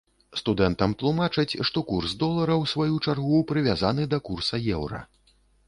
Студэнтам тлумачаць, што курс долара, у сваю чаргу, прывязаны да курса еўра.